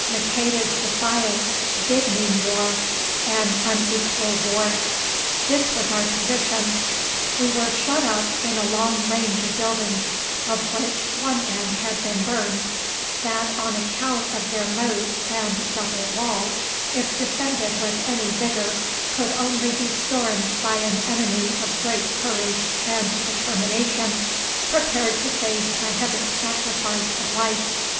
Maqueda's defiance did mean war, "an unequal war." This was our position. We were shut up in a long range of buildings, of which one end had been burned, that on account of their moat and double wall, if defended with any vigour, could only be stormed by an enemy of great courage and determination, prepared to face a heavy sacrifice of life.